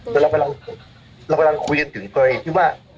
แต่เรากำลังคุยกันถึงกรณีที่ว่า